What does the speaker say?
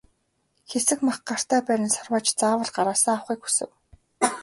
Хэсэг мах гартаа барин сарвайж заавал гараасаа авахыг хүсэв.